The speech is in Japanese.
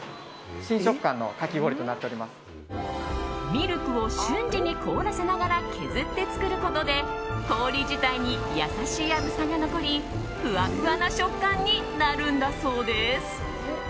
ミルクを瞬時に凍らせながら削って作ることで氷自体に優しい甘さが残りふわふわな食感になるんだそうです。